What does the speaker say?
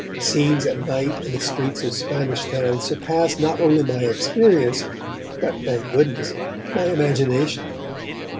The scenes at night in the streets of Spanish Town surpassed not merely my experience, but, thank goodness, my imagination.